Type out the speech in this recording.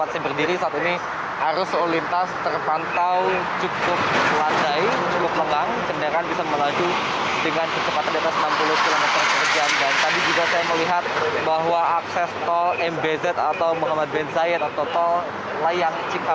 selamat pagi dika